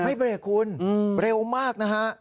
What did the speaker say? ไม่เบรกคุณเร็วมากนะฮะ